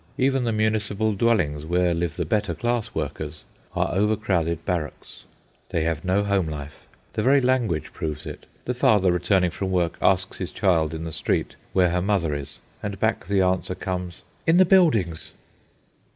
Even the municipal dwellings, where live the better class workers, are overcrowded barracks. They have no home life. The very language proves it. The father returning from work asks his child in the street where her mother is; and back the answer comes, "In the buildings."